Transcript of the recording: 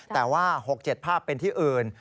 แต่ว่า๖๗ภาพเป็นที่อื่น